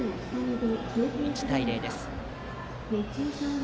１対０です。